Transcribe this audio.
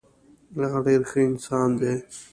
هغه ډیر ښه انسان دی.